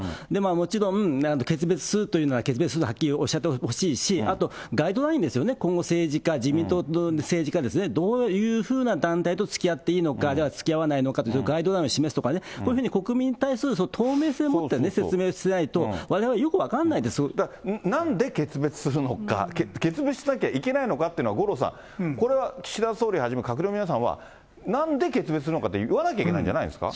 もちろん決別するというなら決別するとはっきりおっしゃってほしいし、あとガイドラインですよね、今後、政治家、自民党の政治家ですね、どういうふうな団体とつきあっていいのか、つきあわないのかというガイドラインを示すとかね、こういうふうに国民に対する透明性持って説明しないと、だからなんで決別するのか、決別しなきゃいけないのかっていうのは、これは岸田総理はじめ、閣僚の皆さんは、なんで決別なのかを言わなきゃいけないんじゃないですか。